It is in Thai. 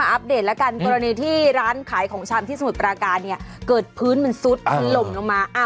อัปเดตแล้วกันกรณีที่ร้านขายของชำที่สมุทรปราการเนี่ยเกิดพื้นมันซุดถล่มลงมา